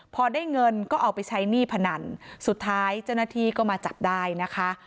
พอได้เงินก็เอาไปใช้หนี้พนันสุดท้ายเจ้าหน้าที่ก็มาจับได้นะคะ